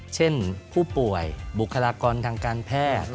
เช่นผู้ป่วยบุคลากรทางการแพทย์